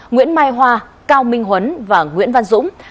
nguyễn mai hoa cao minh huấn và nguyễn văn dũng